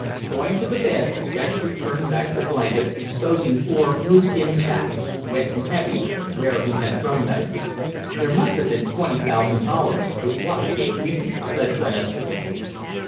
Going to the bed, Dextry turned back the blankets, exposing four moose skin sacks, wet and heavy, where he had thrown them. "There must have been twenty thousand dollars with what I gave Wheaton," said Glenister.